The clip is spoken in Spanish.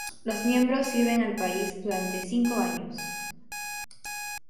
Los miembros sirven al país durante cinco años.